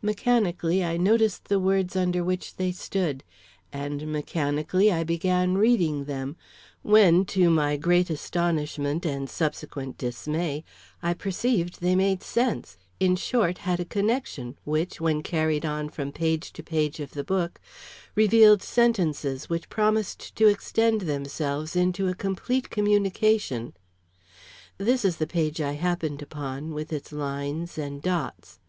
Mechanically I noticed the words under which they stood, and mechanically I began reading them, when, to my great astonishment and subsequent dismay, I perceived they made sense, in short had a connection which, when carried on from page to page of the book, revealed sentences which promised to extend themselves into a complete communication. This is the page I happened upon, with its lines and dots.